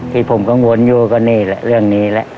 ที่ผมกังวลอยู่ก็นี่แหละเรื่องนี้แหละ